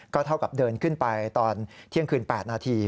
เท่ากับเดินขึ้นไปตอนเที่ยงคืน๘นาที